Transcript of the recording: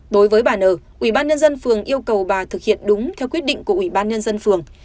đối với bà n ubnd phường yêu cầu bà thực hiện đúng theo quyết định của ubnd phường